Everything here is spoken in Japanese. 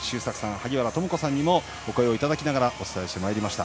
萩原智子さんにもお声をいただきながらお伝えしてまいりました。